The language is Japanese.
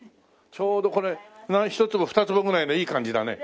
ちょうどこれ１坪２坪ぐらいのいい感じだね。